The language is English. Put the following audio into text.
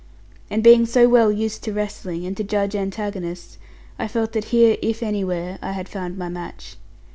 And being so well used to wrestling, and to judge antagonists, I felt that here (if anywhere) I had found my match.